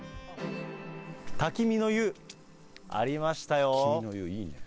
滝見の湯、ありましたよ。